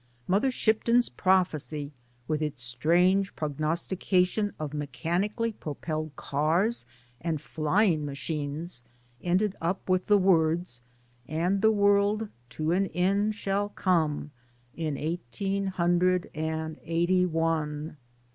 Mother Shipton's prophecy with its strange prognostication of mechanically pro pelled cars and flying machines ended up with the words : And the world to an end shall come In eighteen hundred and eighty one.